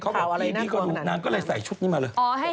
บอกพี่ก็ดูนางก็เลยใส่ชุดนี้มาเลย